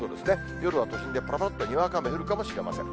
夜は都心でぱらぱらっとにわか雨が降るかもしれません。